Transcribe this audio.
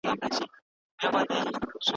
تاسي تل د نېکۍ په لاره کي د بریا په لور ګام اخلئ.